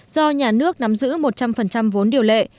do nhà nước nắm giữ một trăm linh vốn điều lệ